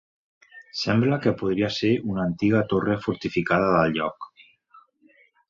Sembla que podria ser una antiga torre fortificada del lloc.